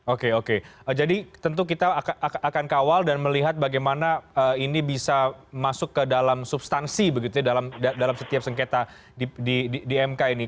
oke oke jadi tentu kita akan kawal dan melihat bagaimana ini bisa masuk ke dalam substansi begitu ya dalam setiap sengketa di mk ini